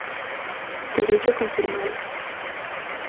Terei que confirmalo.